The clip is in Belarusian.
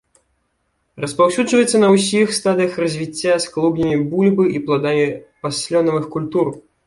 Распаўсюджваецца на ўсіх стадыях развіцця з клубнямі бульбы і пладамі паслёнавых культур.